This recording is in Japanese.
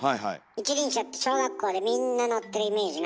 一輪車って小学校でみんな乗ってるイメージない？